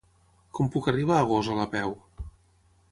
Com puc arribar a Gósol a peu?